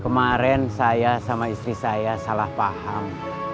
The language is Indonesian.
kemarin saya sama istri saya salah paham